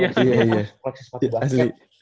yang lo pake sepatu basket